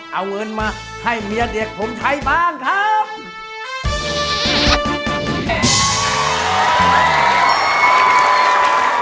เอาเงินมาให้เมียเด็กผมใช้บ้างครับ